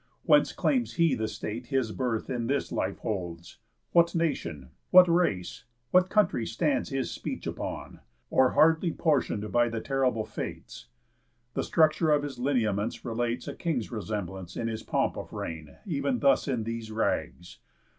Whence claims he the state His birth in this life holds? What nation? What race? What country stands his speech upon? O'er hardly portion'd by the terrible Fates. The structure of his lineaments relates A king's resemblance in his pomp of reign Ev'n thus in these rags.